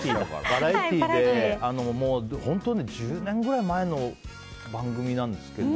バラエティーで１０年ぐらい前の番組なんですけど。